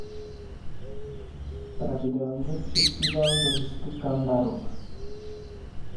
Pravidelně přispíval do listu Kan Darom.